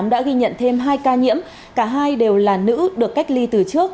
đã ghi nhận thêm hai ca nhiễm cả hai đều là nữ được cách ly từ trước